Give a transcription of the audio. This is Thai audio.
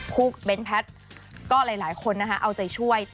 คุณเบ้นท์แพทก็หลายคนนะคะเอาใจช่วย